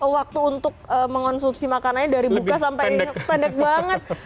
waktu untuk mengonsumsi makanannya dari buka sampai pendek banget